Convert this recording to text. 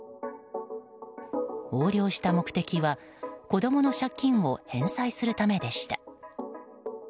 横領した目的は子供の借金を返済するためでした。